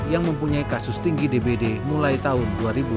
yang mempunyai kasus tinggi dbd mulai tahun dua ribu dua puluh tiga